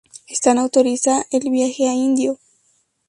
Stan autoriza el viaje a Indio.